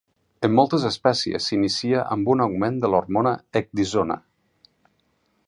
En moltes espècies s'inicia amb un augment de l'hormona ecdisona.